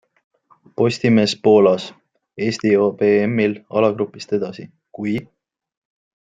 POSTIMEES POOLAS Eesti jõuab EMil alagrupist edasi, kui...